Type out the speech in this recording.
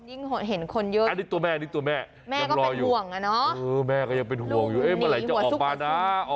ยิ่งเห็นคนเยอะยังรออยู่แม่ก็เป็นห่วงอ่ะเนอะ